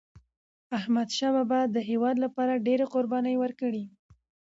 احمدشاه بابا د هیواد لپاره ډيري قربانی ورکړي.